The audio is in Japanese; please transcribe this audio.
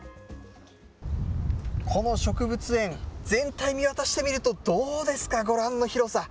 この植物園、全体見渡してみるとどうですか、ご覧の広さ。